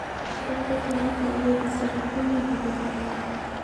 دا د تعهد نامې د سرغړونې پر مهال دی.